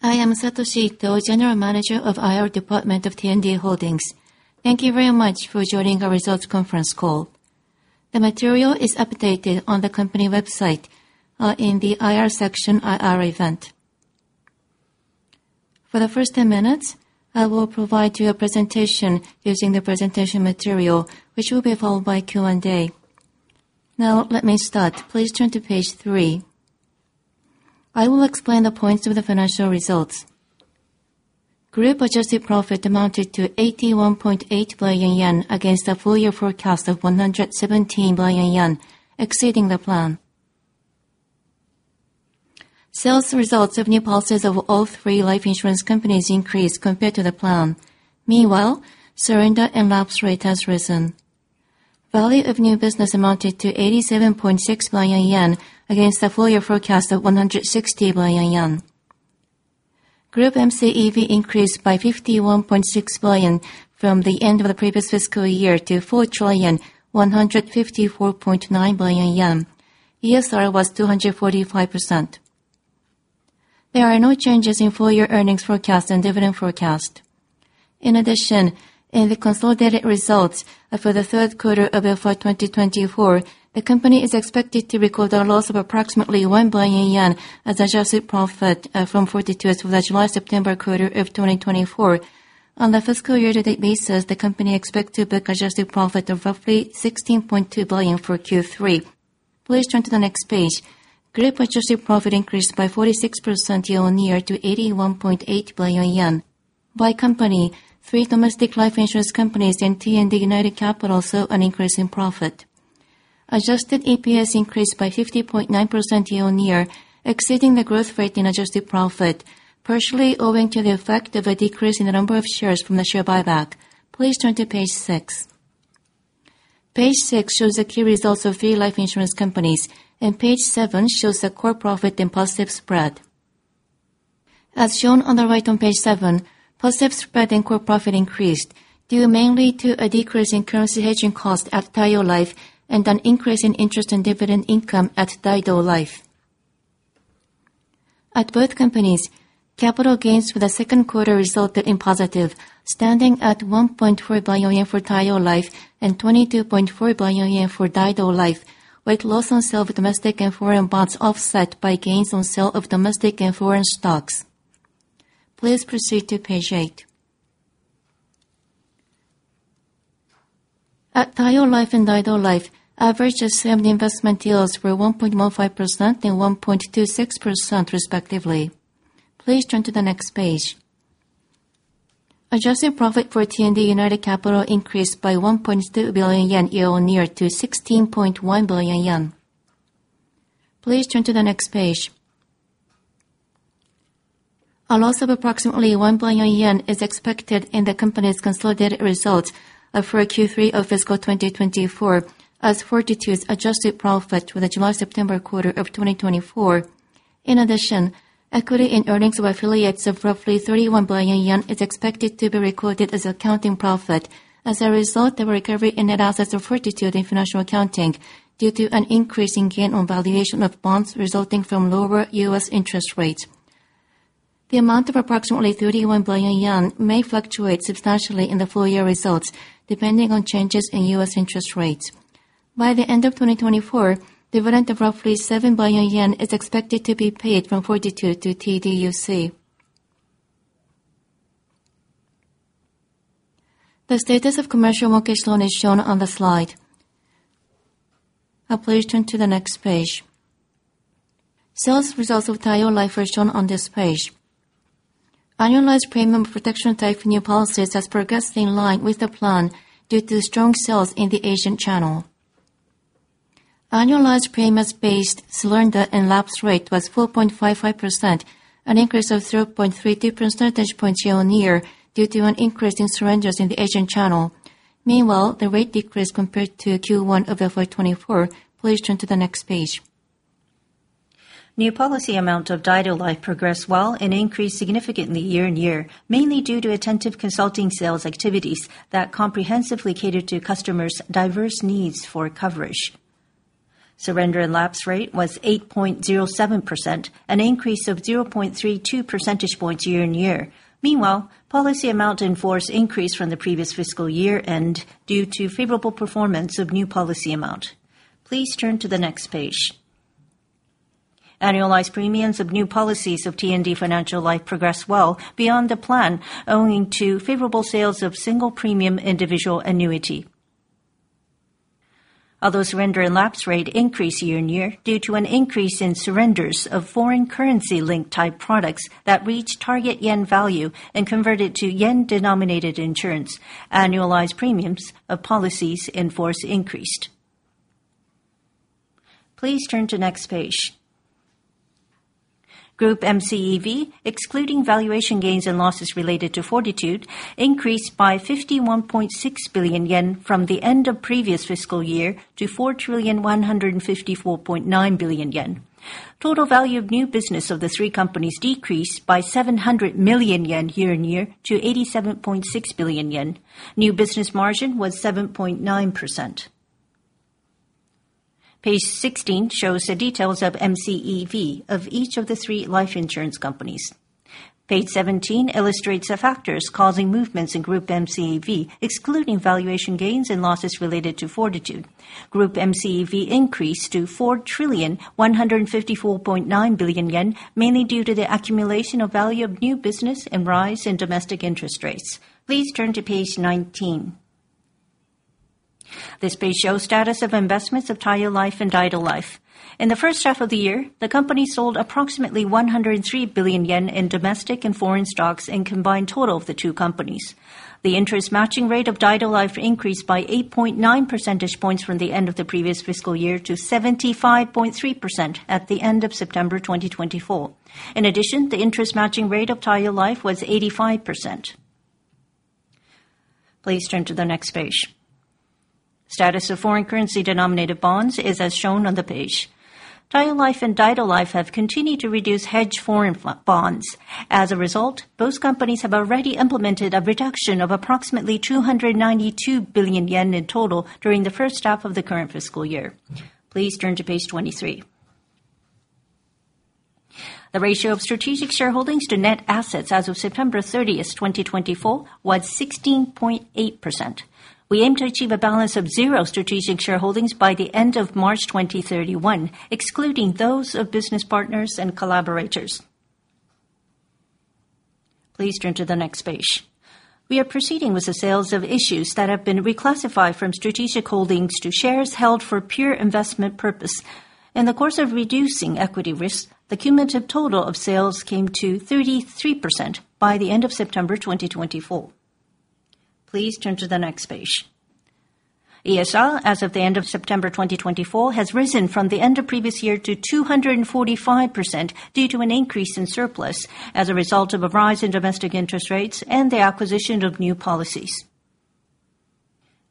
I am Satoshi Itoi, General Manager of IR Department of T&D Holdings. Thank you very much for joining our Results Conference call. The material is updated on the company website in the IR section IR event. For the first 10 minutes, I will provide you a presentation using the presentation material, which will be followed by Q&A. Now, let me start. Please turn to page 3. I will explain the points of the financial results. Group Adjusted Profit amounted to 81.8 billion yen against a full-year forecast of 117 billion yen, exceeding the plan. Sales results of new policies of all three life insurance companies increased compared to the plan. Meanwhile, surrender and lapse rate has risen. Value of New Business amounted to 87.6 billion yen against a full-year forecast of 160 billion yen. Group MCEV increased by 51.6 billion from the end of the previous fiscal year to 4,154.9 billion yen. ESR was 245%. There are no changes in full-year earnings forecast and dividend forecast. In addition, in the consolidated results for the third quarter of FY 2024, the company is expected to record a loss of approximately 1 billion yen as adjusted profit from Fortitude Re as of the July-September quarter of 2024. On the fiscal year-to-date basis, the company expects to book adjusted profit of roughly 16.2 billion for Q3. Please turn to the next page. Group adjusted profit increased by 46% year-on-year to 81.8 billion yen. By company, three domestic life insurance companies and T&D United Capital saw an increase in profit. Adjusted EPS increased by 50.9% year-on-year, exceeding the growth rate in adjusted profit, partially owing to the effect of a decrease in the number of shares from the share buyback. Please turn to page 6. Page 6 shows the key results of three life insurance companies, and page 7 shows the core profit and positive spread. As shown on the right on page 7, positive spread and core profit increased due mainly to a decrease in currency hedging cost at Taiyo Life and an increase in interest and dividend income at Daido Life. At both companies, capital gains for the second quarter resulted in positive, standing at 1.4 billion yen for Taiyo Life and 22.4 billion yen for Daido Life, with loss on sale of domestic and foreign bonds offset by gains on sale of domestic and foreign stocks. Please proceed to page 8. At Taiyo Life and Daido Life, average assumed investment yields were 1.15% and 1.26%, respectively. Please turn to the next page. Adjusted profit for T&D United Capital increased by 1.2 billion yen year-on-year to 16.1 billion yen. Please turn to the next page. A loss of approximately 1 billion yen is expected in the company's consolidated results for Q3 of fiscal 2024 as Fortitude Re's adjusted profit for the July-September quarter of 2024. In addition, equity in earnings of affiliates of roughly 31 billion yen is expected to be recorded as accounting profit. As a result, there were recovery in net assets of Fortitude Re in financial accounting due to an increase in gain on valuation of bonds resulting from lower U.S. interest rates. The amount of approximately 31 billion yen may fluctuate substantially in the full-year results depending on changes in U.S. interest rates. By the end of 2024, dividend of roughly 7 billion yen is expected to be paid from Fortitude Re to TDUC. The status of commercial mortgage loan is shown on the slide. Please turn to the next page. Sales results of Taiyo Life are shown on this page. Annualized premium protection type new policies has progressed in line with the plan due to strong sales in the agency channel. Annualized payments-based surrender and lapse rate was 4.55%, an increase of 0.32 percentage points year-on-year due to an increase in surrenders in the agency channel. Meanwhile, the rate decreased compared to Q1 of FY 2024. Please turn to the next page. New policy amount of Daido Life progressed well and increased significantly year-on-year, mainly due to attentive consulting sales activities that comprehensively catered to customers' diverse needs for coverage. Surrender and lapse rate was 8.07%, an increase of 0.32 percentage points year-on-year. Meanwhile, policy amount in force increased from the previous fiscal year-end due to favorable performance of new policy amount. Please turn to the next page. Annualized premiums of new policies of T&D Financial Life progressed well beyond the plan, owing to favorable sales of single premium individual annuity. Although surrender and lapse rate increased year-on-year due to an increase in surrenders of foreign currency-linked type products that reached target yen value and converted to yen-denominated insurance, annualized premiums of policies in force increased. Please turn to the next page. Group MCEV, excluding valuation gains and losses related to Fortitude Re, increased by 51.6 billion yen from the end of previous fiscal year to 4,154.9 billion yen. Total value of new business of the three companies decreased by 700 million yen year-on-year to 87.6 billion yen. New business margin was 7.9%. Page 16 shows the details of MCEV of each of the three life insurance companies. Page 17 illustrates the factors causing movements in Group MCEV, excluding valuation gains and losses related to Fortitude Re. Group MCEV increased to 4,154.9 billion yen, mainly due to the accumulation of value of new business and rise in domestic interest rates. Please turn to page 19. This page shows status of investments of Taiyo Life and Daido Life. In the first half of the year, the company sold approximately 103 billion yen in domestic and foreign stocks in combined total of the two companies. The interest matching rate of Daido Life increased by 8.9 percentage points from the end of the previous fiscal year to 75.3% at the end of September 2024. In addition, the interest matching rate of Taiyo Life was 85%. Please turn to the next page. Status of foreign currency-denominated bonds is as shown on the page. Taiyo Life and Daido Life have continued to reduce hedged foreign bonds. As a result, both companies have already implemented a reduction of approximately 292 billion yen in total during the first half of the current fiscal year. Please turn to page 23. The ratio of strategic shareholdings to net assets as of September 30, 2024, was 16.8%. We aim to achieve a balance of zero strategic shareholdings by the end of March 2031, excluding those of business partners and collaborators. Please turn to the next page. We are proceeding with the sales of issues that have been reclassified from strategic holdings to shares held for pure investment purpose. In the course of reducing equity risk, the cumulative total of sales came to 33% by the end of September 2024. Please turn to the next page. ESR, as of the end of September 2024, has risen from the end of previous year to 245% due to an increase in surplus as a result of a rise in domestic interest rates and the acquisition of new policies.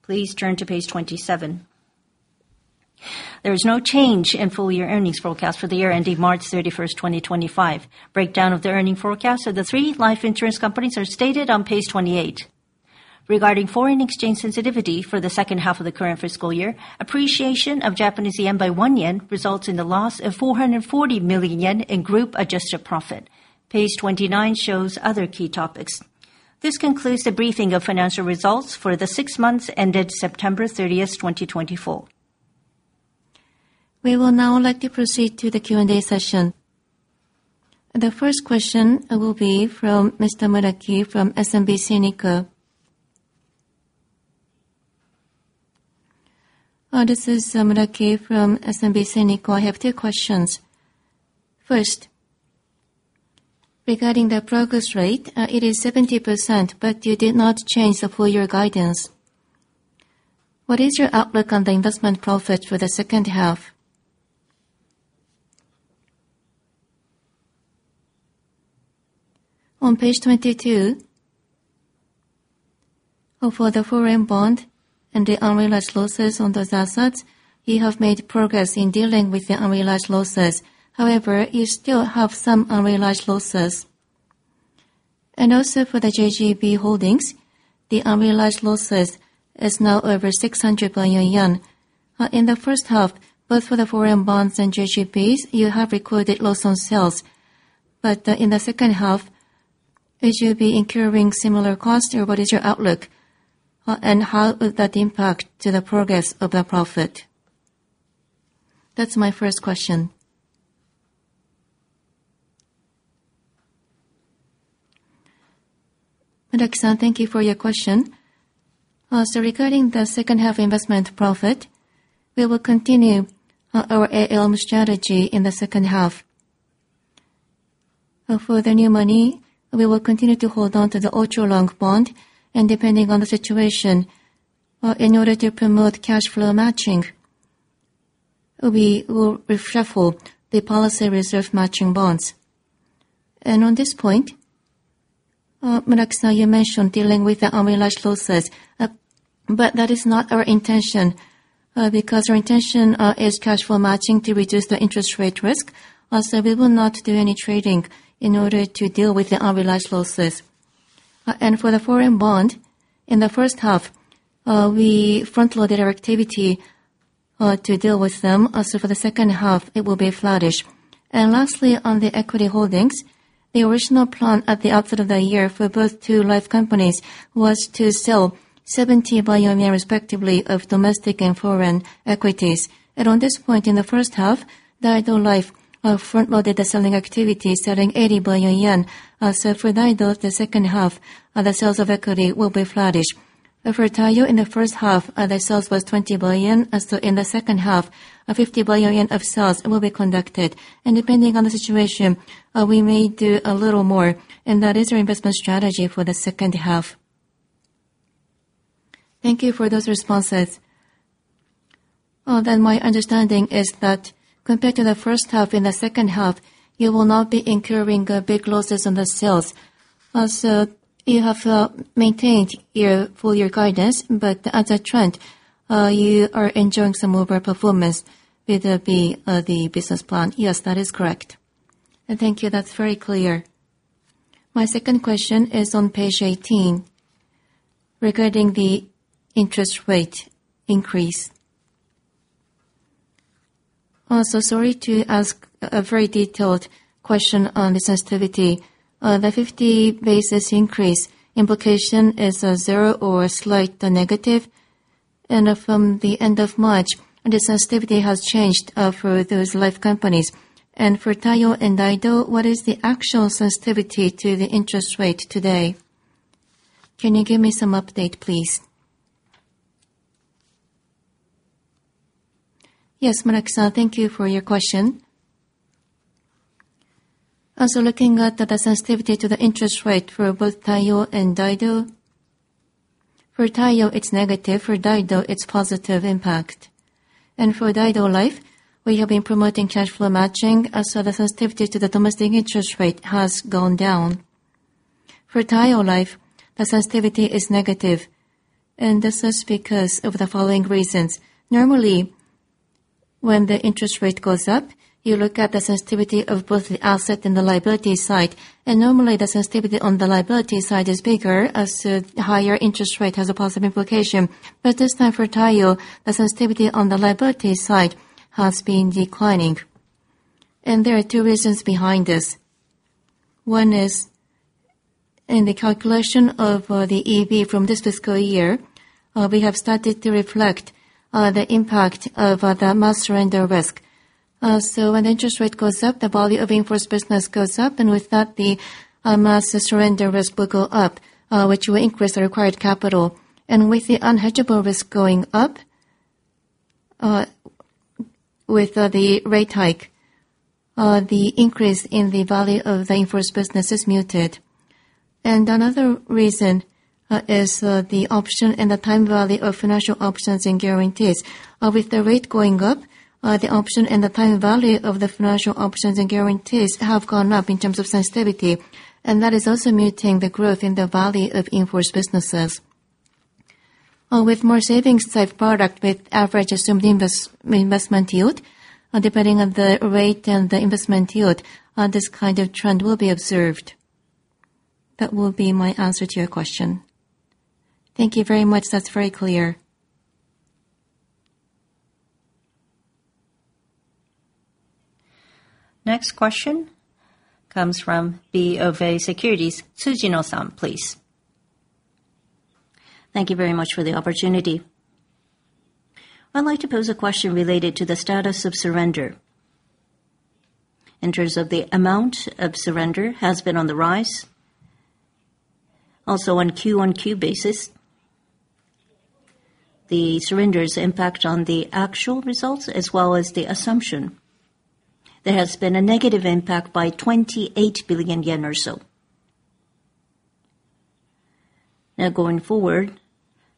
Please turn to page 27. There is no change in full-year earnings forecast for the year ending March 31, 2025. Breakdown of the earnings forecast for the three life insurance companies are stated on page 28. Regarding foreign exchange sensitivity for the second half of the current fiscal year, appreciation of Japanese yen by one yen results in the loss of 440 million yen in Group Adjusted Profit. Page 29 shows other key topics. This concludes the briefing of financial results for the six months ended September 30, 2024. We will now like to proceed to the Q&A session. The first question will be from Mr. Muraki from SMBC Nikko Securities. This is Muraki from SMBC Nikko Securities. I have two questions. First, regarding the progress rate, it is 70%, but you did not change the full-year guidance. What is your outlook on the investment profit for the second half? On page 22, for the foreign bond and the unrealized losses on those assets, you have made progress in dealing with the unrealized losses. However, you still have some unrealized losses. And also for the JGB holdings, the unrealized losses is now over 600 billion yen. In the first half, both for the foreign bonds and JGBs, you have recorded loss on sales. But in the second half, as you'll be incurring similar costs, what is your outlook? And how would that impact the progress of the profit? That's my first question. Muraki-san, thank you for your question, so regarding the second half investment profit, we will continue our ALM strategy in the second half. For the new money, we will continue to hold on to the ultra-long bond, and depending on the situation, in order to promote cash flow matching, we will reshuffle the policy reserve matching bonds, and on this point, Muraki-san, you mentioned dealing with the unrealized losses, but that is not our intention because our intention is cash flow matching to reduce the interest rate risk, so we will not do any trading in order to deal with the unrealized losses, and for the foreign bond, in the first half, we front-loaded our activity to deal with them, so for the second half, it will be less. Lastly, on the equity holdings, the original plan at the outset of the year for both two life companies was to sell 70 billion yen, respectively, of domestic and foreign equities. On this point, in the first half, Daido Life front-loaded the selling activity, selling 80 billion yen. For Daido, the second half, the sales of equity will be finished. For Taiyo, in the first half, the sales was 20 billion. In the second half, 50 billion of sales will be conducted. Depending on the situation, we may do a little more. That is our investment strategy for the second half. Thank you for those responses. My understanding is that compared to the first half, in the second half, you will not be incurring big losses on the sales. So you have maintained your full-year guidance, but as a trend, you are enjoying some overall performance with the business plan. Yes, that is correct. Thank you. That's very clear. My second question is on page 18 regarding the interest rate increase. So sorry to ask a very detailed question on the sensitivity. The 50 basis points increase implication is zero or slight negative. And from the end of March, the sensitivity has changed for those life companies. And for Taiyo and Daido, what is the actual sensitivity to the interest rate today? Can you give me some update, please? Yes, Muraki-san, thank you for your question. So looking at the sensitivity to the interest rate for both Taiyo and Daido, for Taiyo, it's negative. For Daido, it's positive impact. For Daido Life, we have been promoting cash flow matching, so the sensitivity to the domestic interest rate has gone down. For Taiyo Life, the sensitivity is negative. This is because of the following reasons. Normally, when the interest rate goes up, you look at the sensitivity of both the asset and the liability side. Normally, the sensitivity on the liability side is bigger as the higher interest rate has a positive implication. But this time for Taiyo, the sensitivity on the liability side has been declining. There are two reasons behind this. One is in the calculation of the EV from this fiscal year, we have started to reflect the impact of the mass surrender risk. So when the interest rate goes up, the value of in-force business goes up, and with that, the mass surrender risk will go up, which will increase the required capital. And with the unhedgeable risk going up, with the rate hike, the increase in the value of the in-force business is muted. And another reason is the option and the time value of financial options and guarantees. With the rate going up, the option and the time value of the financial options and guarantees have gone up in terms of sensitivity. And that is also muting the growth in the value of in-force businesses. With more savings-type product with average assumed investment yield, depending on the rate and the investment yield, this kind of trend will be observed. That will be my answer to your question. Thank you very much. That's very clear. Next question comes from BofA Securities, Tomohiro Sujino, please. Thank you very much for the opportunity. I'd like to pose a question related to the status of surrender. In terms of the amount of surrender, it has been on the rise. Also, on Q on Q basis, the surrender's impact on the actual results as well as the assumption, there has been a negative impact by 28 billion yen or so. Now, going forward,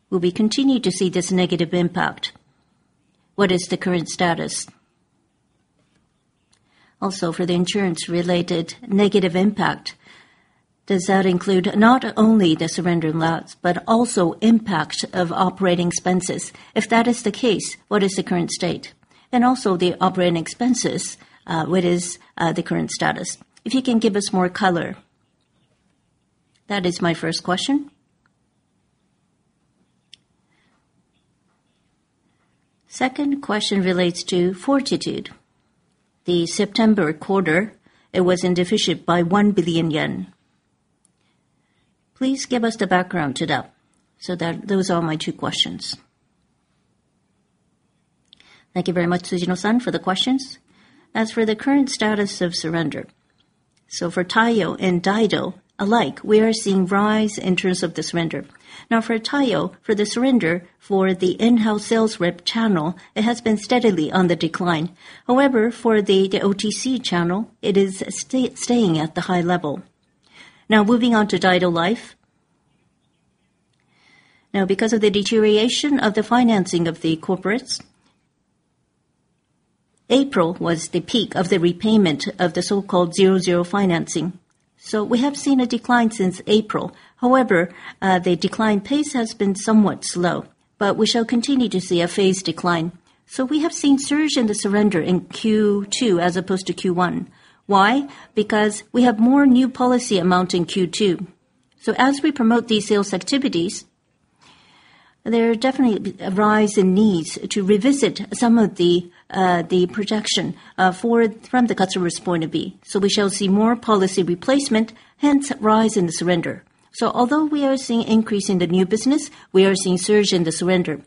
will we continue to see this negative impact? What is the current status? Also, for the insurance-related negative impact, does that include not only the surrender loss, but also impact of operating expenses? If that is the case, what is the current state? And also, the operating expenses, what is the current status? If you can give us more color. That is my first question. Second question relates to Fortitude Re. The September quarter, it was in deficit by 1 billion yen. Please give us the background to that. So those are my two questions. Thank you very much, Sujino, for the questions. As for the current status of surrender, so for Taiyo and Daido alike, we are seeing rise in terms of the surrender. Now, for Taiyo, for the surrender for the in-house sales rep channel, it has been steadily on the decline. However, for the OTC channel, it is staying at the high level. Now, moving on to Daido Life. Now, because of the deterioration of the financing of the corporates, April was the peak of the repayment of the so-called zero-zero financing. So we have seen a decline since April. However, the decline pace has been somewhat slow, but we shall continue to see a phased decline. We have seen a surge in the surrender in Q2 as opposed to Q1. Why? Because we have more new policy amount in Q2. As we promote these sales activities, there are definitely a rise in needs to revisit some of the projection from the customer's point of view. We shall see more policy replacement, hence rise in the surrender. Although we are seeing increase in the new business, we are seeing surge in the surrender.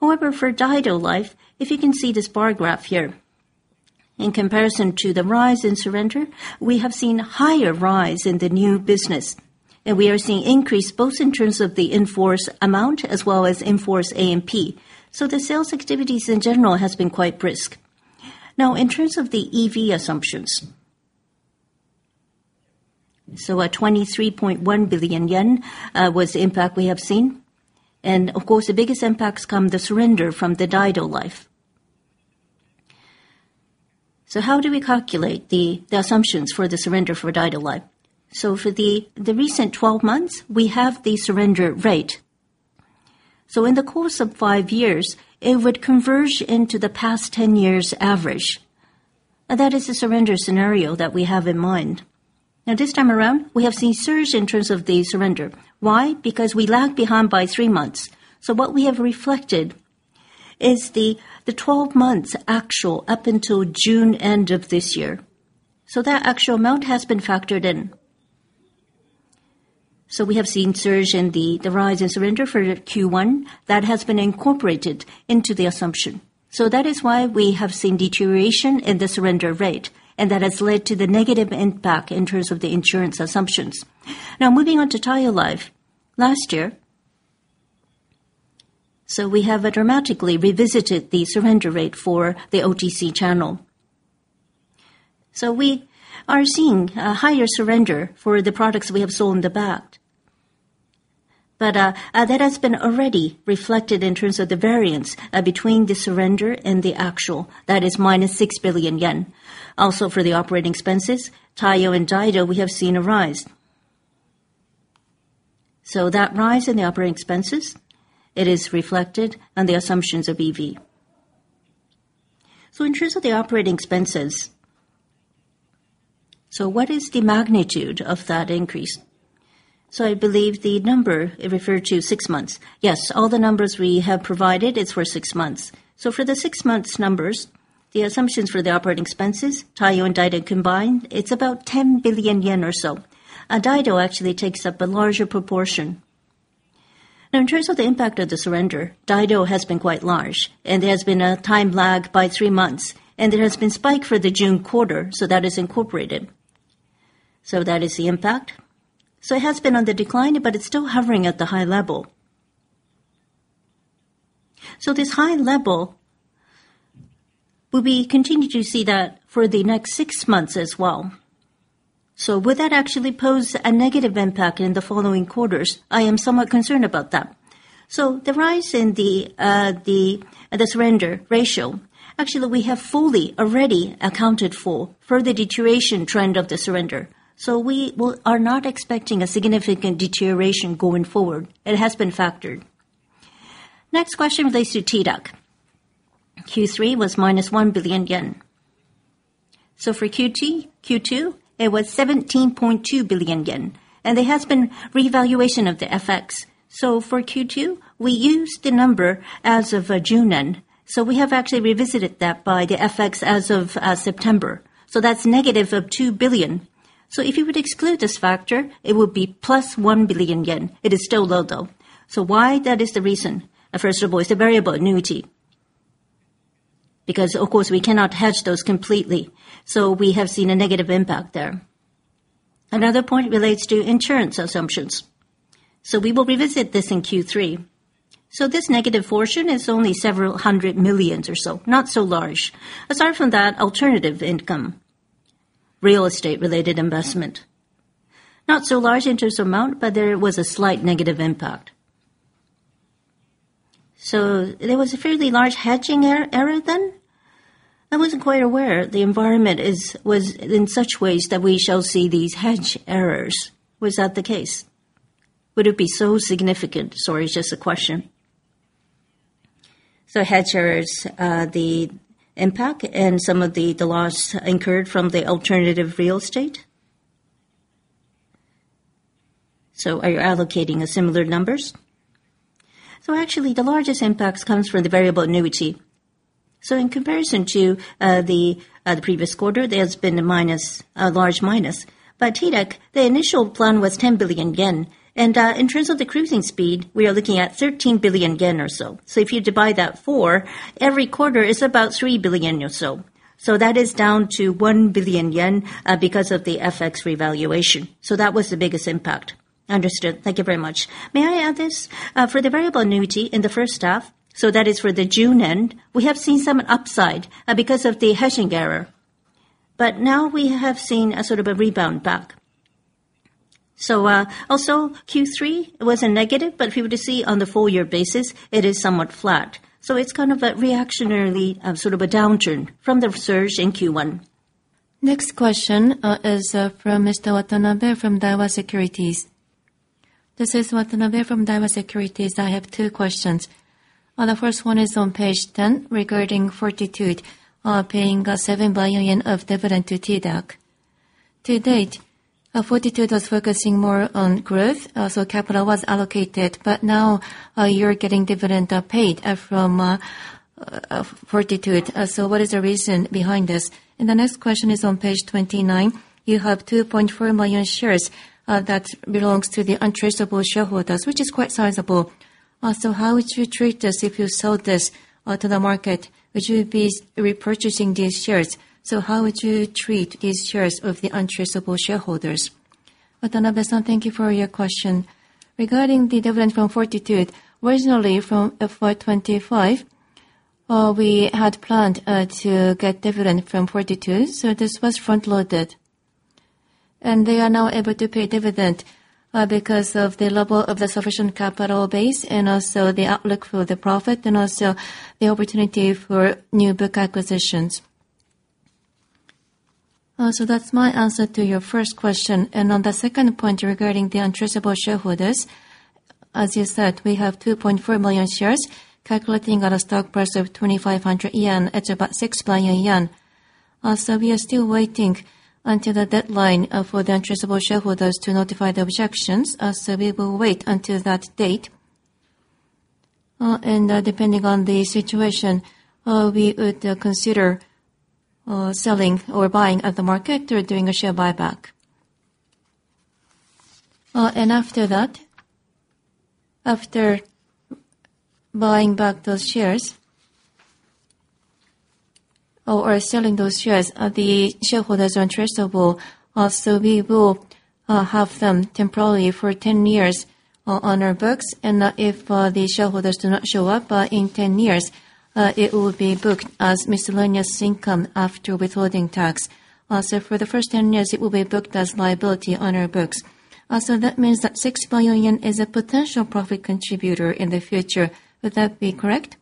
However, for Daido Life, if you can see this bar graph here, in comparison to the rise in surrender, we have seen higher rise in the new business. We are seeing increase both in terms of the in-force amount as well as in-force A&P. The sales activities in general have been quite brisk. Now, in terms of the EV assumptions, so at 23.1 billion yen was the impact we have seen. And of course, the biggest impact comes from the surrender from the Daido Life. So how do we calculate the assumptions for the surrender for Daido Life? So for the recent 12 months, we have the surrender rate. So in the course of five years, it would converge into the past 10 years' average. That is the surrender scenario that we have in mind. Now, this time around, we have seen surge in terms of the surrender. Why? Because we lagged behind by three months. So what we have reflected is the 12 months actual up until June end of this year. So that actual amount has been factored in. So we have seen surge in the rise in surrender for Q1. That has been incorporated into the assumption. That is why we have seen deterioration in the surrender rate. That has led to the negative impact in terms of the insurance assumptions. Now, moving on to Taiyo Life. Last year, we have dramatically revisited the surrender rate for the OTC channel. We are seeing a higher surrender for the products we have sold in the past. That has been already reflected in terms of the variance between the surrender and the actual. That is minus 6 billion yen. Also for the operating expenses, Taiyo and Daido, we have seen a rise. That rise in the operating expenses, it is reflected on the assumptions of EV. In terms of the operating expenses, what is the magnitude of that increase? I believe the number referred to six months. Yes, all the numbers we have provided is for six months. So for the six-month numbers, the assumptions for the operating expenses, Taiyo and Daido combined, it's about 10 billion yen or so. Daido actually takes up a larger proportion. Now, in terms of the impact of the surrender, Daido has been quite large. And there has been a time lag by three months. And there has been a spike for the June quarter. So that is incorporated. So that is the impact. So it has been on the decline, but it's still hovering at the high level. So this high level, we will continue to see that for the next six months as well. So would that actually pose a negative impact in the following quarters? I am somewhat concerned about that. So the rise in the surrender ratio, actually, we have fully already accounted for for the deterioration trend of the surrender. We are not expecting a significant deterioration going forward. It has been factored. Next question relates to TDUC. Q3 was -1 billion yen. For Q2, it was 17.2 billion yen. And there has been reevaluation of the FX. For Q2, we used the number as of June. We have actually revisited that by the FX as of September. That's negative of 2 billion. If you would exclude this factor, it would be plus 1 billion yen. It is still low, though. Why? That is the reason. First of all, it's a variable annuity. Because, of course, we cannot hedge those completely. We have seen a negative impact there. Another point relates to insurance assumptions. We will revisit this in Q3. This negative portion is only several hundred million or so. Not so large. Aside from that, alternative income, real estate-related investment. Not so large in terms of amount, but there was a slight negative impact. So there was a fairly large hedging error then. I wasn't quite aware the environment was in such ways that we shall see these hedge errors. Was that the case? Would it be so significant? Sorry, it's just a question. So hedge errors, the impact and some of the loss incurred from the alternative real estate. So are you allocating similar numbers? So actually, the largest impacts come from the variable annuity. So in comparison to the previous quarter, there has been a large minus. But TDUC, the initial plan was 10 billion yen. And in terms of the cruising speed, we are looking at 13 billion yen or so. So if you divide that four, every quarter is about 3 billion or so. So that is down to 1 billion yen because of the FX revaluation. So that was the biggest impact. Understood. Thank you very much. May I add this? For the variable annuity in the first half, so that is for the June end, we have seen some upside because of the hedging error. But now we have seen a sort of a rebound back. So also, Q3 was a negative, but if you would see on the four-year basis, it is somewhat flat. So it's kind of a reactionary sort of a downturn from the surge in Q1. Next question is from Mr. Watanabe from Daiwa Securities. This is Watanabe from Daiwa Securities. I have two questions. The first one is on page 10 regarding Fortitude, paying 7 billion yen of dividend to TDUC. To date, Fortitude was focusing more on growth. So capital was allocated. But now you're getting dividend paid from Fortitude Re. So what is the reason behind this? And the next question is on page 29. You have 2.4 million shares that belongs to the untraceable shareholders, which is quite sizable. So how would you treat this if you sold this to the market? Would you be repurchasing these shares? So how would you treat these shares of the untraceable shareholders? Watanabe-san, thank you for your question. Regarding the dividend from Fortitude Re, originally from FY25, we had planned to get dividend from Fortitude Re. So this was front-loaded. And they are now able to pay dividend because of the level of the sufficient capital base and also the outlook for the profit and also the opportunity for new book acquisitions. So that's my answer to your first question. And on the second point regarding the untraceable shareholders, as you said, we have 2.4 million shares calculating at a stock price of 2,500 yen. It's about 6 billion yen. So we are still waiting until the deadline for the untraceable shareholders to notify the objections. So we will wait until that date. And depending on the situation, we would consider selling or buying at the market or doing a share buyback. And after that, after buying back those shares or selling those shares, the shareholders are traceable. So we will have them temporarily for 10 years on our books. And if the shareholders do not show up in 10 years, it will be booked as miscellaneous income after withholding tax. So for the first 10 years, it will be booked as liability on our books. So that means that 6 billion yen is a potential profit contributor in the future. Would that be correct?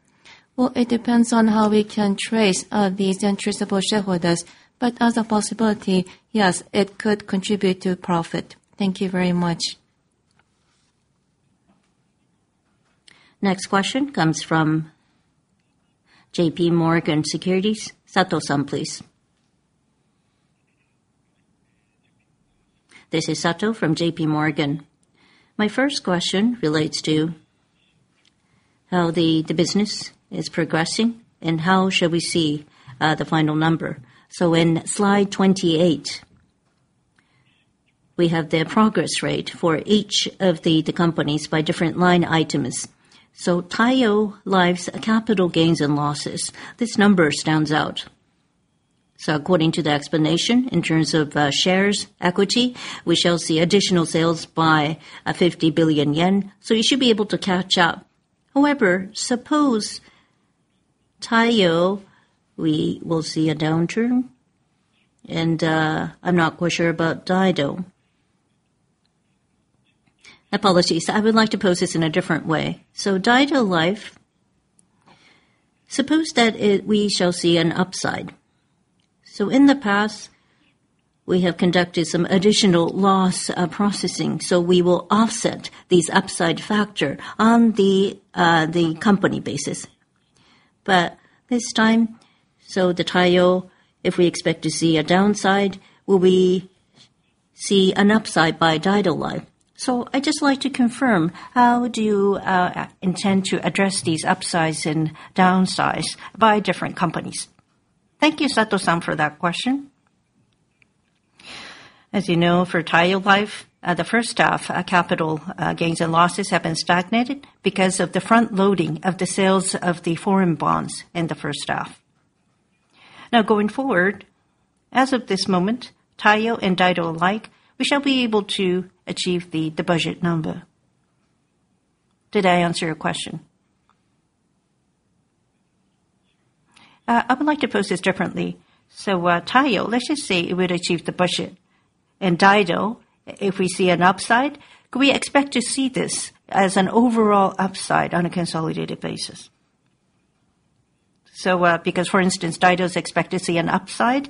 Well, it depends on how we can trace these untraceable shareholders. But as a possibility, yes, it could contribute to profit. Thank you very much. Next question comes from J.P. Morgan Securities. Sato-san, please. This is Sato from J.P. Morgan. My first question relates to how the business is progressing and how shall we see the final number. So in slide 28, we have the progress rate for each of the companies by different line items. So Taiyo Life's capital gains and losses, this number stands out. So according to the explanation, in terms of shares, equity, we shall see additional sales by 50 billion yen. So you should be able to catch up. However, suppose Taiyo, we will see a downturn. And I'm not quite sure about Daido. Apologies. I would like to pose this in a different way. So Daido Life, suppose that we shall see an upside. So in the past, we have conducted some additional loss processing. So we will offset these upside factors on the company basis. But this time, so the Taiyo, if we expect to see a downside, we will see an upside by Daido Life. So I'd just like to confirm, how do you intend to address these upsides and downsides by different companies? Thank you, Sato-san, for that question. As you know, for Taiyo Life, the first half, capital gains and losses have been stagnated because of the front-loading of the sales of the foreign bonds in the first half. Now, going forward, as of this moment, Taiyo and Daido alike, we shall be able to achieve the budget number. Did I answer your question? I would like to pose this differently so Taiyo, let's just say it would achieve the budget. And Daido, if we see an upside, could we expect to see this as an overall upside on a consolidated basis? So because, for instance, Daido is expected to see an upside,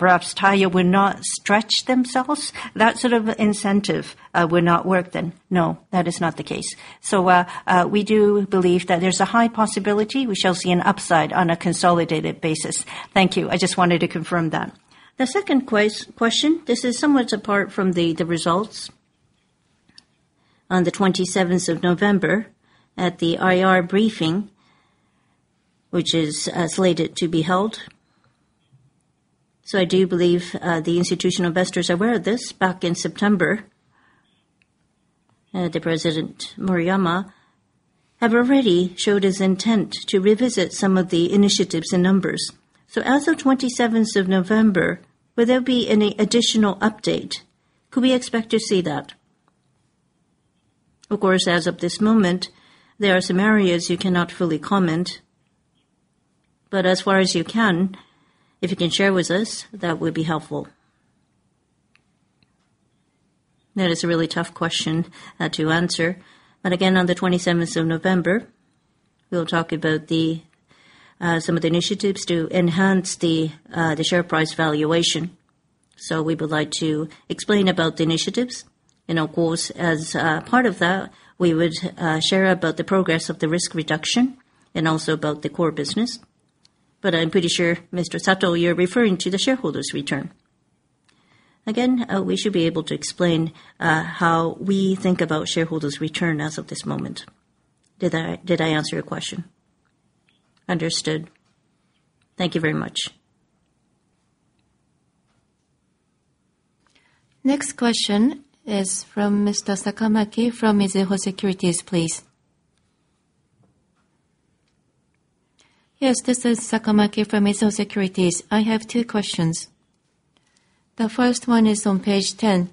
perhaps Taiyo will not stretch themselves. That sort of incentive will not work then. No, that is not the case so we do believe that there's a high possibility we shall see an upside on a consolidated basis. Thank you. I just wanted to confirm that. The second question, this is somewhat apart from the results. On the 27th of November, at the IR briefing, which is slated to be held. So I do believe the institutional investors are aware of this. Back in September, the President Murayama had already showed his intent to revisit some of the initiatives and numbers. So as of 27th of November, would there be any additional update? Could we expect to see that? Of course, as of this moment, there are some areas you cannot fully comment. But as far as you can, if you can share with us, that would be helpful. That is a really tough question to answer. But again, on the 27th of November, we'll talk about some of the initiatives to enhance the share price valuation. So we would like to explain about the initiatives. And of course, as part of that, we would share about the progress of the risk reduction and also about the core business. But I'm pretty sure, Mr. Sato, you're referring to the shareholders' return. Again, we should be able to explain how we think about shareholders' return as of this moment. Did I answer your question? Understood. Thank you very much. Next question is from Mr. Sakamaki from Mizuho Securities, please. Yes, this is Sakamaki from Mizuho Securities. I have two questions. The first one is on page 10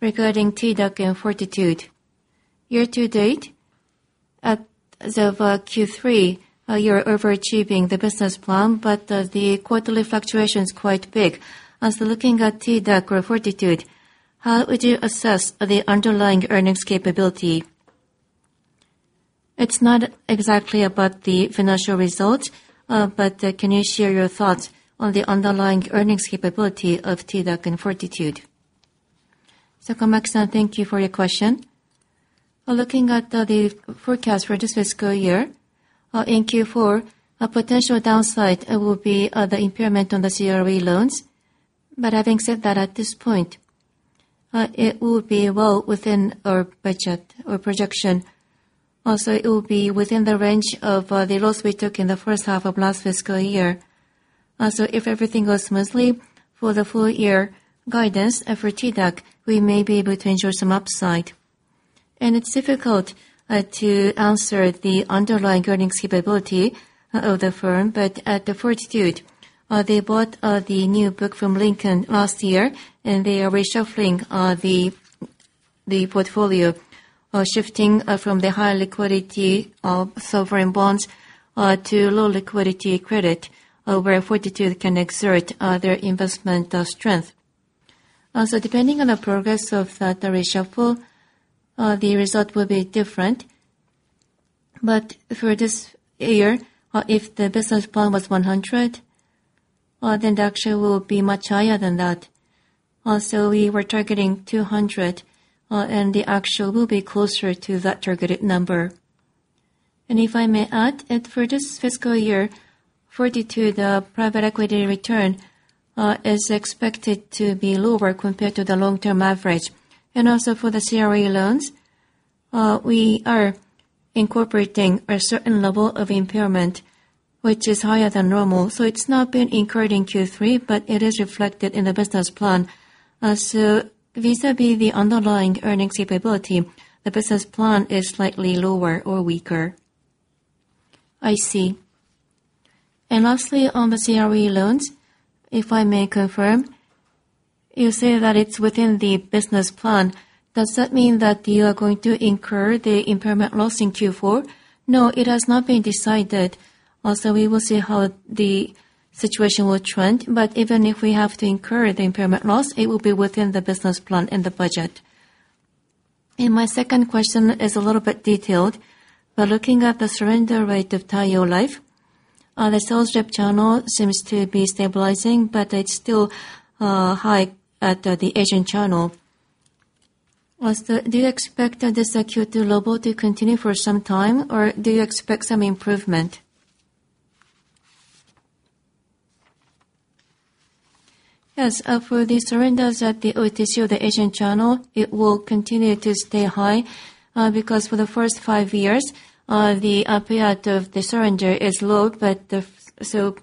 regarding TDUC and Fortitude. Year to date, as of Q3, you're overachieving the business plan, but the quarterly fluctuation is quite big. As looking at TDUC or Fortitude, how would you assess the underlying earnings capability? It's not exactly about the financial results, but can you share your thoughts on the underlying earnings capability of TDUC and Fortitude? Sakamaki-san, thank you for your question. Looking at the forecast for this fiscal year, in Q4, a potential downside will be the impairment on the CRE loans. But having said that, at this point, it will be well within our budget or projection. Also, it will be within the range of the loss we took in the first half of last fiscal year. If everything goes smoothly for the full-year guidance for TDUC, we may be able to ensure some upside. And it's difficult to answer the underlying earnings capability of the firm, but at Fortitude, they bought the new book from Lincoln last year, and they are reshuffling the portfolio, shifting from the high liquidity sovereign bonds to low liquidity credit where Fortitude can exert their investment strength. So depending on the progress of the reshuffle, the result will be different. But for this year, if the business plan was 100, then the actual will be much higher than that. So we were targeting 200, and the actual will be closer to that targeted number. And if I may add, for this fiscal year, Fortitude, the private equity return is expected to be lower compared to the long-term average. And also for the CRE loans, we are incorporating a certain level of impairment, which is higher than normal. So it's not been incurred in Q3, but it is reflected in the business plan. So vis-à-vis the underlying earnings capability, the business plan is slightly lower or weaker. I see. And lastly, on the CRE loans, if I may confirm, you say that it's within the business plan. Does that mean that you are going to incur the impairment loss in Q4? No, it has not been decided. Also, we will see how the situation will trend. But even if we have to incur the impairment loss, it will be within the business plan and the budget. And my second question is a little bit detailed. But looking at the surrender rate of Taiyo Life, the sales rep channel seems to be stabilizing, but it's still high at the agent channel. Do you expect this acute level to continue for some time, or do you expect some improvement? Yes, for the surrenders at the OTC or the agent channel, it will continue to stay high because for the first five years, the payout of the surrender is low. But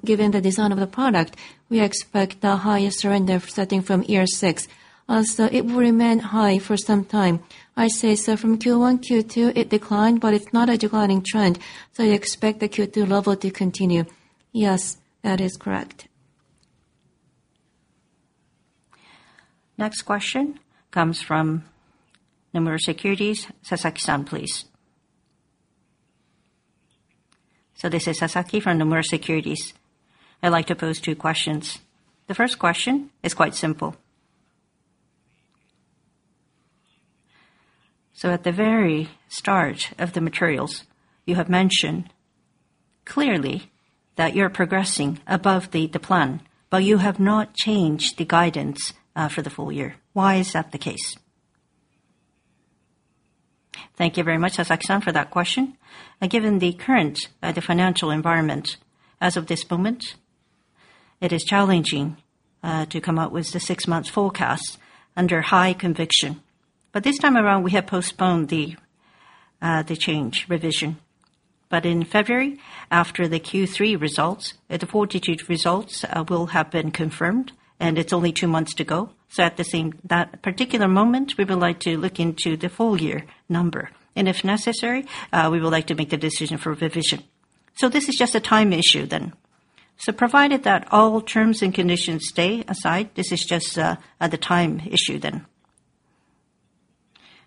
given the design of the product, we expect the highest surrender starting from year six. So it will remain high for some time. I say so from Q1, Q2, it declined, but it's not a declining trend. So you expect the Q2 level to continue. Yes, that is correct. Next question comes from Nomura Securities, Sasaki-san, please. So this is Sasaki from Nomura Securities. I'd like to pose two questions. The first question is quite simple. So at the very start of the materials, you have mentioned clearly that you're progressing above the plan, but you have not changed the guidance for the full year. Why is that the case? Thank you very much, Sasaki-san, for that question. Given the current financial environment as of this moment, it is challenging to come up with the six-month forecast under high conviction, but this time around, we have postponed the change revision, but in February, after the Q3 results, the Fortitude results will have been confirmed, and it's only two months to go, so at that particular moment, we would like to look into the full-year number, and if necessary, we would like to make the decision for revision. So this is just a time issue then, so provided that all terms and conditions stay aside, this is just a time issue then.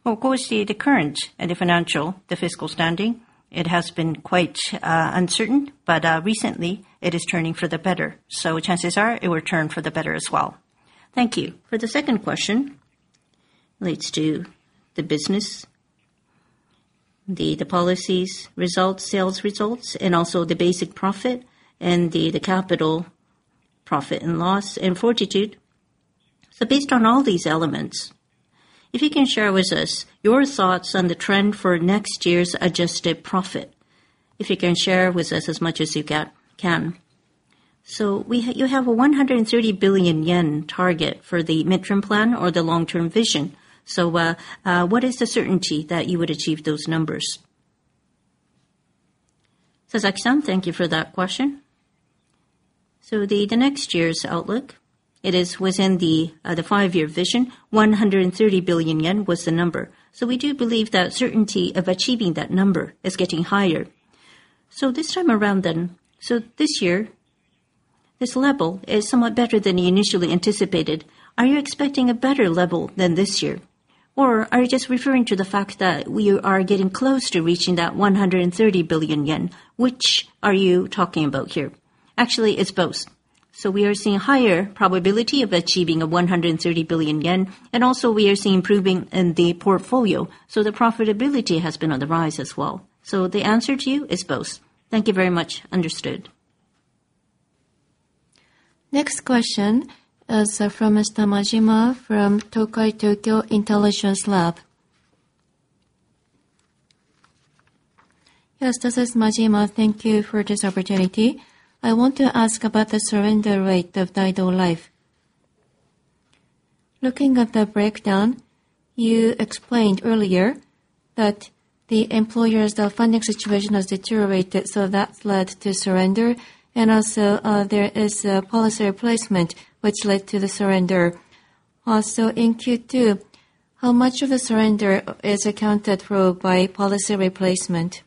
Of course, the current and the financial, the fiscal standing, it has been quite uncertain, but recently, it is turning for the better. So chances are it will turn for the better as well. Thank you. For the second question, it relates to the business, the policies, results, sales results, and also the basic profit and the capital profit and loss and Fortitude. So based on all these elements, if you can share with us your thoughts on the trend for next year's adjusted profit, if you can share with us as much as you can. So you have a 130 billion yen target for the midterm plan or the long-term vision. So what is the certainty that you would achieve those numbers? Sasaki-san, thank you for that question. So the next year's outlook, it is within the five-year vision, 130 billion yen was the number. So we do believe that certainty of achieving that number is getting higher. So this time around then, so this year, this level is somewhat better than you initially anticipated. Are you expecting a better level than this year? Or are you just referring to the fact that we are getting close to reaching that 130 billion yen? Which are you talking about here? Actually, it's both. So we are seeing a higher probability of achieving a 130 billion yen, and also we are seeing improving in the portfolio. So the profitability has been on the rise as well. So the answer to you is both. Thank you very much. Understood. Next question is from Mr. Majima from Tokai Tokyo Intelligence Laboratory. Yes, this is Majima. Thank you for this opportunity. I want to ask about the surrender rate of Daido Life. Looking at the breakdown, you explained earlier that the employer's funding situation has deteriorated, so that led to surrender. And also, there is a policy replacement, which led to the surrender. Also, in Q2, how much of the surrender is accounted for by policy replacement?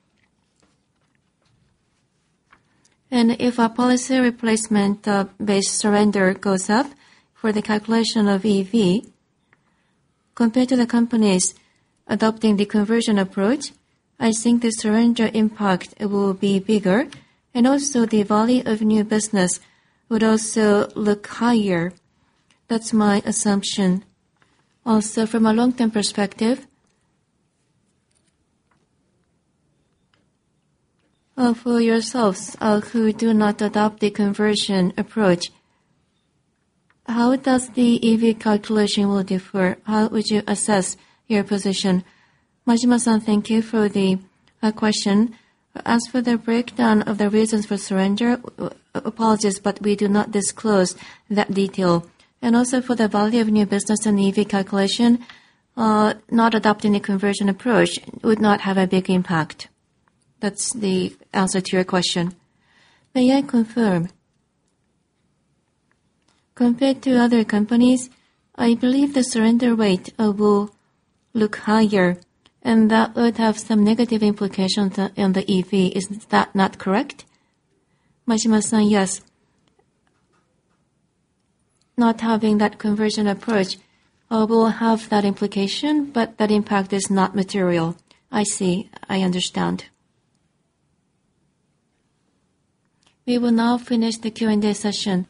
And if a policy replacement-based surrender goes up for the calculation of EV, compared to the companies adopting the conversion approach, I think the surrender impact will be bigger. And also, the value of new business would also look higher. That's my assumption. Also, from a long-term perspective, for yourselves who do not adopt the conversion approach, how does the EV calculation will differ? How would you assess your position? Majima-san, thank you for the question. As for the breakdown of the reasons for surrender, apologies, but we do not disclose that detail. And also, for the value of new business and EV calculation, not adopting a conversion approach would not have a big impact. That's the answer to your question. May I confirm? Compared to other companies, I believe the surrender rate will look higher, and that would have some negative implications on the EV. Is that not correct? Majima-san, yes. Not having that conversion approach will have that implication, but that impact is not material. I see. I understand. We will now finish the Q&A session.